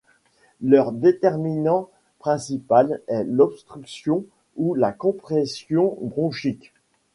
Leur déterminant principal est l'obstruction ou la compression bronchique.